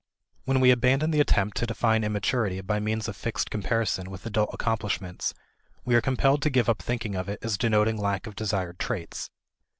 When we abandon the attempt to define immaturity by means of fixed comparison with adult accomplishments, we are compelled to give up thinking of it as denoting lack of desired traits.